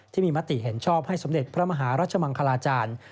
มติเห็นชอบให้สมเด็จพระมหารัชมังคลาจารย์